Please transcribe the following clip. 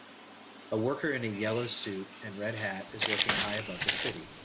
A worker in a yellow suit and red hat is working high above the city.